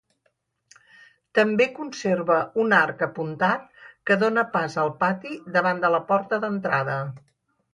També conserva un arc apuntat que dóna pas al pati davant de la porta d'entrada.